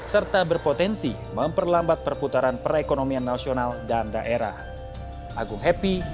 serta berpotensi memperlambat perputaran perekonomian nasional dan daerah